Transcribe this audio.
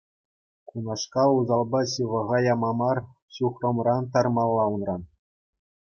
Кунашкал усалпа ҫывӑха яма мар, ҫухрӑмран тармалла унран.